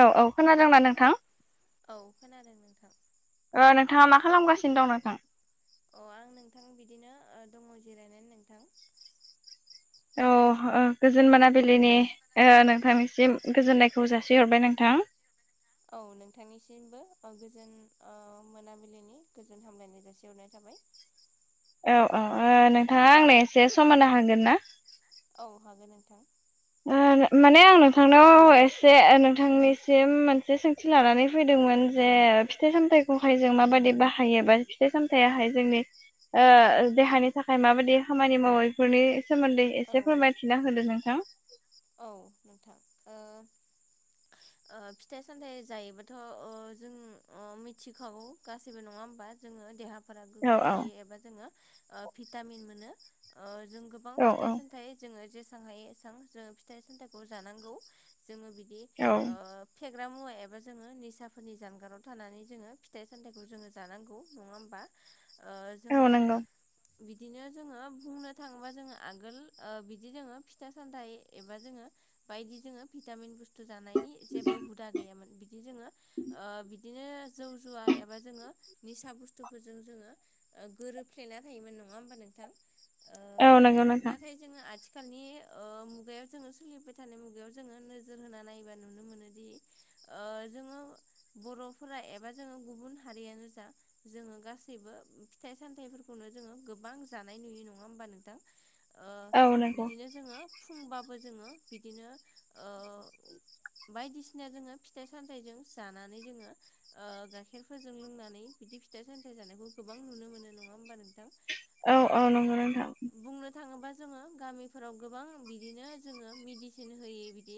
औ औ खोनादोंना नोंथां? औ खोनादों नोंथां। ओ नोंथाङा मा खालामगासिनो दं नोंथां? अ आं नोंथां बिदिनो ओ दङ जिरायनानै नोंथां। औ गोजोन मोनाबिलिनि ओ नोंथांनिसिम गोजोननायखौ जासिहरबाय नोंथां। औ नोंथांनिसिमबो गोजोन मोनाबिलिनि गोजोन हामलायनाय जासिहरनाय थाबाय। औ औ नोंथाङा आंनो एसे सम होनो हागोन ना? औ हागोन नोंथां। ओ माने आं नोंथांनाव एसे नोंथांनिसिम मोनसे सोंथि लानानै फैदोंमोन जे फिथाइ सामथाइखौहाय जों माबादि बाहायो बा फिथाइ सामथायाहाय जोंनि ओ देहानि थाखाय माबायदि खामानि मावो बेफोरनि सोमोन्दै औ एसे फोरमायथिना होदो नोंथां। औ नोंथां ओ [inaudible] ओ फिथाइ सामथाइ जायोबाथ' जों मिथिखागौ गासैबो नङा होमबा जोङो देहा फोरा औ गोग्गो थायो एबा भिटामिन मोनो। जों गोबां औ औ फिथाइ सामथाइ जोङो जेसां हायो एसेबां जोङो फिथाइ सामथाइखौ जानांगौ जोङो बि दि ओ औ केक फेग्रा मुवा एबा जोङो निसाफोरनि जानगाराव थानानै जोङो फिथाइ सामथाइखौ जोङो जानांगौ नङा होमबा? ओ औ जोङो नंगौ। बिदिनो जोङो बुंनो थाङोबा जोङो आगोल बिदि जोङो फिथा सामथाइ एबा जोङो बायदि जोङो भिटामिन बु स्थु जानायनि जेबो हुदा गैयामोन बिदि जोङो बि दिनो जौ जुवा एबा जोङो निसा बुस्थुफोरजों जोङो गोरोबफ्लेना थायोमोन। नङा होमबा नोंथां? औ नोंगौ नोंथां। आखालि ओ मुगायाव जोङो सोलिबाय थानाय मुगायाव जोङो नोजोर होना नायोबा नुनो मोनोदि ओ जोङो बर'फोरा एबा जोङो गुबुन हारियानो जा जोङो गासैबो फिथाइ सामथाइफोर खौनो जोङो गोबां जानाय नुयो नङा होमबा नोंथां? औ नंगौ। होमबाबो जोङो बिदिनो ओ बायदिसिना जोङो फिथाइ सामथाइजों जानानै जोङो गाइखेरफोरजों लोंनानै बि दि फिथाइ सामथाइ जानायखौ गोबां नुनो मोनो नङा होमबा नोंथां? औ ओ औ नंगौ नोंथां। बुंनो थाङोबा जोङो गामिफोराव गोबां बि दिनो जोङो मेदिसिन होै बिदि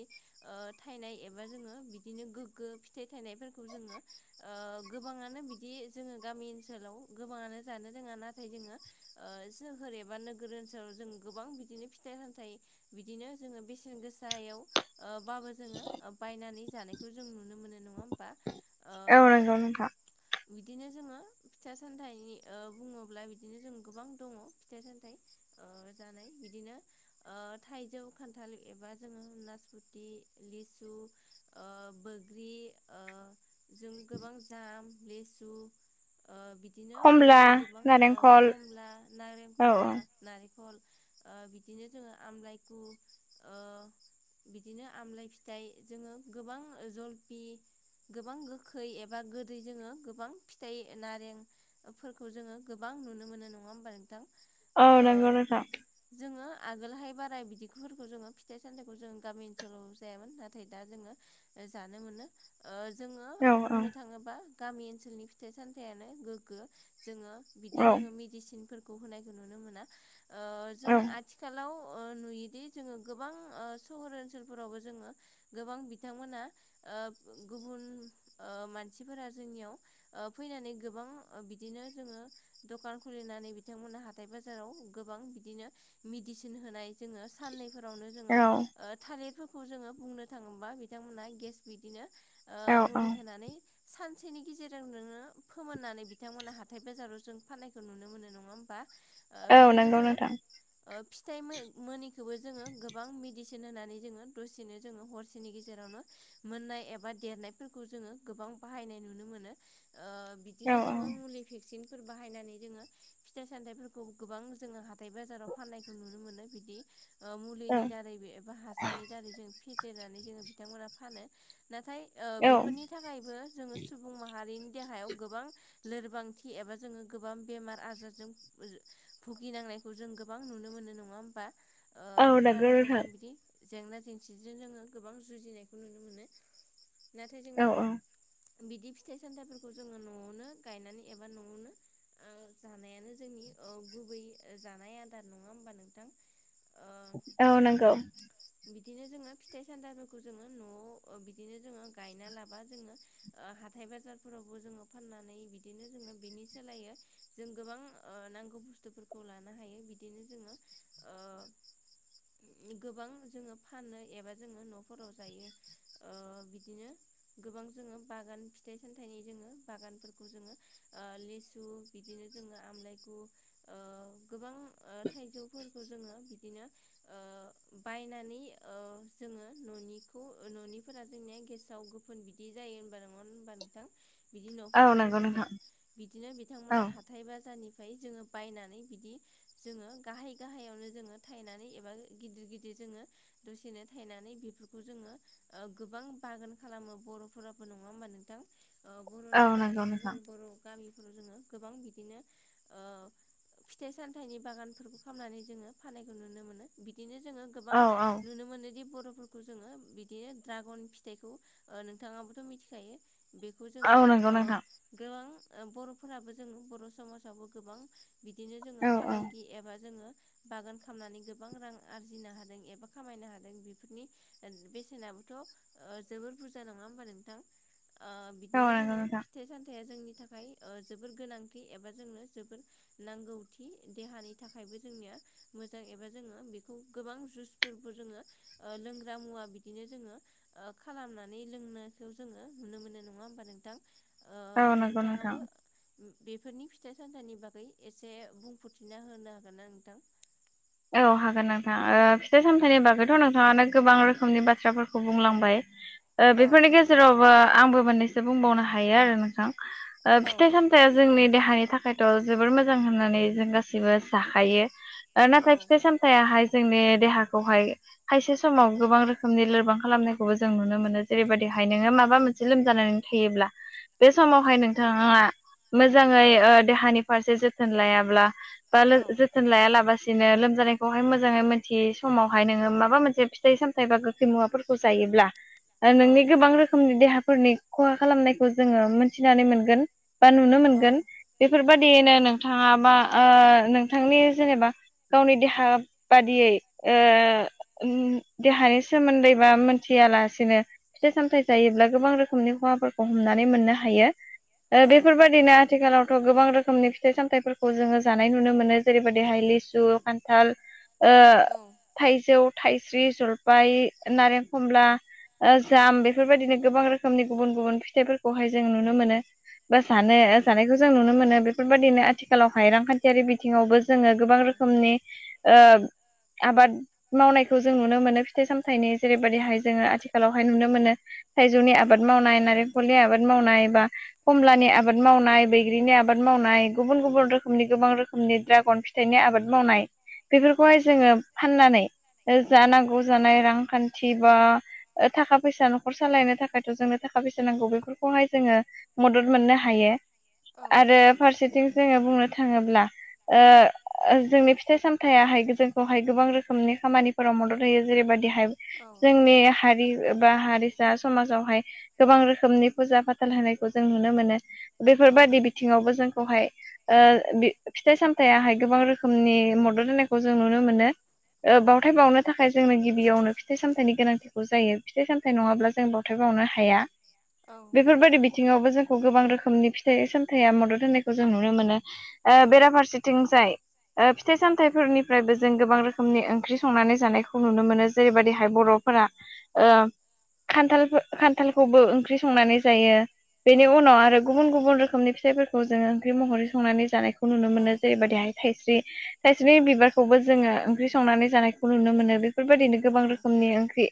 थायनाय एबा जोङो बिदिनो गोग्गो फिथाइ बे थाइनायफोरखौ जोङो ओ गोबाङनो बिदि जोङो गामि ओनसोलाव गोबाङानो जानो रों आ नाथाय जोङो सोहोर एबा नोगोर ओनसोलाव जों गोबां बिदिनो फिथाइ सामथाइ बिदिनो जोङो बेसेन गोसायाव बाबो जोङो बायनानै जानायखौ जों नुनो मोनो नङा होमबा ओ था [unintelligible] बिदिनो जोङो फिथा सामथाइनि बुङोब्ला बिदिनो जों गोबां दङ फिथा सामथाइ जानाय बिदिनो थाइजौ खान्थाल एबा जोङो नासपुथि लिसु बुग्रि ओ जों गोबां लिसु बिदिनो खमला जोङो गोबां औ नारेंखल खमला नारें औ खमला नारेंखल बिदिनो जोङो आमलाइ खो बिदिनो आमलाय फिथाइ जोङो गोबां जलफि गोबां गोखै एबा गोदै जोङो गोबां फिथाइ नारेंफोरखौ जोङो गोबां नुनो मोन नोंथ औ नंगौ नोंथां जों डो आगोलावहाय बाराय बि बिफोरखौ नुनो मोनो जोङो फिथाइ सामथाइखौ जों गामि ओनसोलाव जायामोन नाथाय दा जोङो जानो मोनो जोङो औ बुंनो थाङोबा गामि ओनसोलनि फिथाइ सामथायाइयानो गोग्गो जोङो बिदि औ जोङो मेडिसिनफोरखौ होनायखौ नुनो मोना औ जोङो आथिखालाव दि जोङो गोबां सहर ओनसोलफोरावबो जोङो गोबां बिथांमोना गुबुन मानसिफोरा जोंनियाव फैनानै गोबां बिदिनो जोङो दखान खुलिनानै बिथांमोनहा हाथाय बाजाराव गोबां बिदिनो मेदिसिन होनाय जोङो साननैफोरावनो जोङो औ थालिरफोरखौ जोङो बुंनो थाङोबा बिथांमोनहा गेस बिदिनो औ औ मुलि होनानै सान सानसेनि गेजेराव नोङो फोमोननानै बिथांमोनहा हाथाय बाजाराव जों फाननायखौ नुनो मोनो नङा होमबा औ बिदिनो नंगौ जोङो नोंथां फिथाइ मोनि खौखौबो जोङो गोबां मेडिसिन होनानै जोङो दसेनो जोङो हरसेनि गेजेरावनो मोननाय एबा देरनायफोरखौ जोङो गोबां बाहायनाय नुनो मोनो औ बिदिनो जोङो मुलि भेक्सिन फोर बाहायनानै जोङो फिथाइ सामथाइफोरखौ गोबां जोङो हाथाय बाजाराव फाननायखौ नुनो मोनो बिदि मुलिनि दारै एबा हासारनि दारै जों फेरनानै जोङो बिथांमोना फानो नाथाय औ बेफोरनि थाखायबो जोङो सुबुं माहारिनि देहायाव गोबां लोरबांथि एबा जोङो गोबां बेमार आजारजों भुगिनांनाय जों गोबां नुनो मोनो नाडा होनबा औ नंगौ नोंथां जेंना जेंसिजों जोङो गोबां जुजिनायखौ नुनो मोनो नाथाय जोङो औ औ बिदि फिथाइ सामथाइफोरखौ जोङो न'आवनो गायनानै एबा न'आवनो जानायानो जोंनि औ गुबै जानाय आदार नङा होमबा नोंथां ओ औ नंगौ बिदिनो जोङो फिथाइ सामथाफोरखौ जोङो न'आव बिदिनो जोङो गायना लाबा जोङो हाथाय बाजारफोरावबो जोङो फाननानै बिदिनो जोङो बिनि सोलायो जों गोबां नांगौ बुस्थुफोरखौ लानो हायो बिदिनो जोङो [inaudible] गोबां जोङो फानो एबा जोङो न'फोराव जायो बिदिनो गोबां जोङो बागान फिथाइ सामथाइनि जोङो बागानफोरखौ जोङो लेसु बिदिनो जों आमलाय गु गोबां थाइजौफोरखौ जोङो बिदिनो बायनानै जोङो न'निखौ न'निफोरा जोंनिया गेसाव गोफोन बिदि जायो होनबा नङा होनबा नोंथां बिदि औ न'फोराव नंगौ नोंथां रजुनाया बिदिनो औ बिथांमोना हाथाय बाजारनि जोङो बायनानै बिदि जोङो गाहाय गाहायावनो जोङो थायनानै एबा गिदिर गिदिर जोङो दसेनो थायनानै बेफोरखौ जोङो गोबां बागान खालामो बर'फोराबो नङा होमबा नोंथां बर' औ जायगा नंगौ एबा नोंथां जों बर' गामिफोराव जोङो गोबां बिदिनो फिथाइ सामथाइनि बागानफोरखौ खालामनानै जोङो फानायखौ नुनो मोनो बिदिनो जोङो गोबां औ औ नुनो मोनोदि बर' फोरफोरखौ जोङो बिदिनो ड्रागन फिथाइखौ नोंथाङाबोथ' मिथिखायो बेखौ औ जोङो नंगौ नोंथां गोबां बर'फोराबो जों बर' समाजावबो गोबां बिदिनो जोङो औ औ फालांगि एबा जोङो बागान खालामामनानै गोबां रां आरजिनो हादों एबा खामायनो हादों बेफोरनि बेसेनाबोथ' ओ जोबोर बुरजा नङा होमबा नोंथां ओ औ बिदिनो नंगौ जोङो नोंथां फिथाइ सामथाया जोंनि थाखाय ओ जोबोर गोनांथि एबा जोंनो जोबोर नांगौथि देहानि थाखायबो जोंनिया मोजां एबा जोङो बेखौ गोबां जुइसफोरबो जोङो लोंग्रा मुवा बिदिनो जोङो ओ खालामनानै लोंनायखौ जोङो नुनो मोनो नङा होमबा नोंथां। ओ औ नंगौ नोंथां। नोंथाङाबो बेफोरनि फिथाइ सामथाइनि बागै एसे बुंफोरथिना होनो हागोन ना नोंथां? औ हागोन नोंथां ओ फिथाइ औ सामथाइनि बागैथ' नोंथाङानो गोबां रोखोम रोखोमनि बाथ्राफोरखौ बुंलांबाय ओ बेफोरनि गेजेरावबो आंबो मोननैसो बुंबावनो हायो आरो नोंथां ओ फिथाइ औ सामथाइया जोंनि देहानि थाखायथ' जोबोर मोजां होननानै जों गासिबो जाखायो ओ नाथाय औ फिथायाहाय जोंनि देहाखौहाय खायसे समाव गोबां रोखोमनि लोरबां खालामनायखौबो जों नुनो मोनो। जेरैबायदिहाय नोङो माबा मोनसे लोमजानानै थायोब्ला बे समावहाय नोंथाङा मोजाङै ओ देहानि फारसे जोथोन लायाब्ला बा औ लो जोथोन लाया लाबासिनो लो जानायखौहाय मोजाङै मिथियै समावहाय नोङो माबा मोनसे फिथाइ सामथाइ बा गोखै मुवाफोरखौ जायोब्ला नोंनि गोबां रोखोमनि देहाफोरनि खहा खालामनायखौ जोङो मोनथिनानै मोनगोन बा नुनो औ मोनगोन बेफोर बेबायदियैनो नोंथाङा बा ओ नोंथांनि जेनेबा गावनि देहा बादियै ओ देहानि सोमोन्दैबा मिथियालासिनो फिथाइ सामथाय जायोब्ला गोबां रोखोमनि खहाफोरखौ हमनानै मोननो हायो। ओ औ बेफोर बायदिनो आथिखालावथ' गोबां रोखोमनि फि फिथाइ सामथाइफोरखौ जोङो जानाय नुनो मोनो जेरै बायदिहाइ लिसु खान्थाल ओ औ थाइजौ थाइस्रि जलफाय नारें खमला ओ जाम बेफोर बायदिनो गोबां रोखोमनि गुबुन गुबुन फिथाइफोरखौहाय जों नुनो मोनो। बा सानो जानायखौ जों नुनो मोनो बेफोर बादिनो आथिखालावहाय रांखान्थियारि बिथिङावबो जोङो औ गोबां रोखोमनि ओ आबाद मावनायखौ जों नुनो मोनो फिथाइ सामथाइनि जेरै बायदिहाय जोङो आथिखालावहाय नुनो मोनो। थाइजौनि आबाद मावनाय नारेंखलनि आबाद मावनाय बा खमलानि आबाद मावनाय बे गिरिनि आबाद मावनाय गुबुन गुबुन रोखोमनि गोबां रोखोमनि दड्रागन फिथाइनि आबाद मावनाय बेफोरखौहाय जोङो फाननानै जा नांगौ जानाय रांखान्थि बा ओ थाखा फैसा न'खर सालायनो थाखायथ' जोंनो थाखा फैसा नांगौ बेफोरखौहाय जोङो मदद मोननो हायो। औ आरो फारसेथिं जोङो बुंनो थाङोब्ला ओ जोंनि फिथाइ सामथायाहाय जोंखौहाय गोबां रोखोमनि खामानिफोराव मदद होयो जेरैबायदि हाय मदद जोंनि हारि बा हारिसा समाजावहाय गोबां रोखोमनि फुजा फाथोल होनायखौ जों नुनो मोनो। बेफोर होयो जेरैबायदिहाय औ बायदि बिथिङावबो जोंखौहाय ओ फिथाइ सामथायाहाय गोबां रोखोमनि मदद होनायखौ जों नुनो मोनो। बावथाय बावनो थाखाय जोंनो गिबियावनो फिथाइ सामथाइनि गोनांथिखौ जायो फिथाइ सामथाइ नङाब्ला जों बावथाय बावनो हाया। औ बेफोर बायदि बिथिङावबो जों खौ गोबां रोखोमनि फिथाइ सामथाइया मदद होनायखौ जों नुनो मोनो। ओ औ बेराफारसेथिंजाय ओ फिथाइ सामथाइफोरनिफ्रायबो जों गोबां रोखोमनि ओंख्रि संनानै जानायखौ नुनो मोनो जेरै बायदिहाय बर'फोरा ओ खान्थाल खान्थालखौबो ओंख्रि संनानै जायो। औ बेनि उनाव आरो गुबुन गुबुन रोखोमनि फिथाइफोरखौ जोङो ओंख्रि महरै संनानै जानायखौ खौ नुनो औ मोनो औ जेरै बायदिहाय थाइस्रि थाइस्रि बिबारखौबो जोङो ओंख्रि संनानै जानायखौ नुनो मोनो बेफोर बायदिनो गोबां रोखोमनि ओंख्रि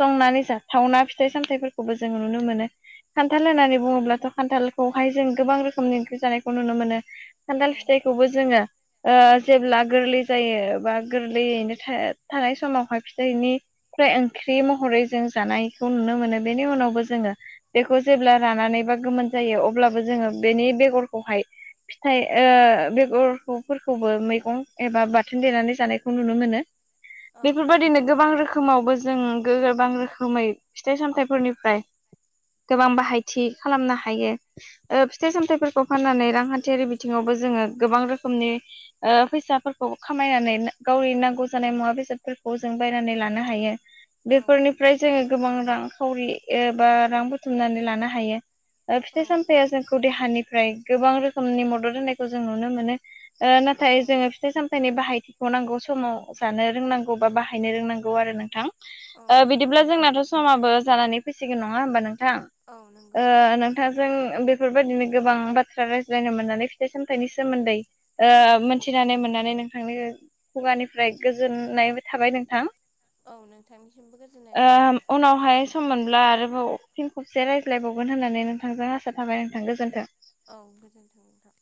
संनानै जाथावना फिथाइ सामथाइफोरखौबो जों नुनो मोनो। खान्थाल होननानै बुङोब्लाथ' खान्थाल खौहाय जों गोबां रोखोमनि ओंख्रि जानायखौ नुनो मोनो खान्थाल फिथाइखौबो जोङो जेब्ला गोरलै जायो बा गोरलैयैनो थानाय समावहाय फिथाइनिफ्राय ओंख ख्रि महरै जों जानायखौ नुनो मोनो बेनि उनावबो जोङो बेखौ जेब्ला रानानैबा गोमोन जायो अब्लाबो जोङो बेनि बेगरखौहाय फिथाइ बेगरफोरखौबो मैग गं एबा बाथोन देनानै जानायखौ नुनो मोनो बेफोरबायदिनो गोबां रोखोम रोखोमावबो जों गोबां रोखोमै फिथाइ सामथाइफोरनिफ्राय गोबां बाहायथि खालामनो हायो फिथाइ ओ सामथाइफोरखौ फाननानै रांखान्थियारि बिथिङावबो जोङो गोबां रोखोमनि ओ फैसाफोरखौ खामायनानै गावनि नांगौ जानाय मुवा बेसादफोरखौ जों बायनानै लानो हायो बेफोरनिफ्राय जोङो गोबां रांखावरि एबा रां बुथुमनानै लानो हायो फिथाइ सामथाया जोंखौ देहानिफ्राय गोबां रोखोमनि मदद औ होनायखौ जों नुनो मोनो नाथाय नाथाय औ जोङो फिथाइ सामथाइनि बाहायथिखौ नांगौ समाव जानो रोंनांगौ बा बाहायनो रोंनांगौ आरो नोंथां औ नंगौ बिदिब्ला जोंनाथ' समाबो जानानै फैसिगोन नङा होमबा नों थां औ नंगौ नोंथांजों बे बेफोरबायदिनो गोबां बाथ्रा रायज्लायनो मोननानै फिथाइ सामथाइनि सोमोन्दै मोनथिनानै मोननानै नोंथांनि खुगानिफ्राय गोजोननायबो थाबाय नोंथां औ नोंथांनिसिमबो गोजोननाय थाबाय अब्ला आरोबाव फिन खबसे रायज्लायबावगोन होननानै नोंथांजों आसा थाबाय नोंथां गोजोन्थों औ गोजोन्थों